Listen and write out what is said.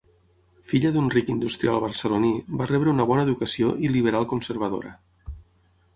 Filla d'un ric industrial barceloní, va rebre una bona educació i liberal-conservadora.